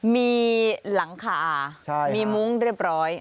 มีหลังคามีมุ้งเรียบร้อย